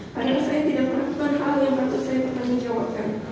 karena saya tidak melakukan hal yang harus saya bertanggung jawabkan